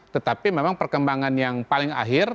tetapi memang perkembangan yang paling akhir